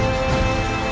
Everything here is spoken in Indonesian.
kepada mereka semua